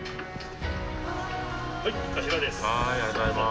はい、かしらです。